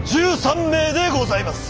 １３名でございます。